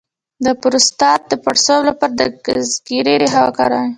د پروستات د پړسوب لپاره د ګزګیرې ریښه وکاروئ